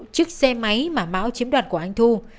chiếc xe máy mà mão chiếm đoạt của anh thu